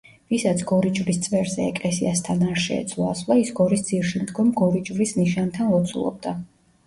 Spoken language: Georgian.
ვისაც გორიჯვრის წვერზე, ეკლესიასთან არ შეეძლო ასვლა, ის გორის ძირში მდგომ გორიჯვრის ნიშთან ლოცულობდა.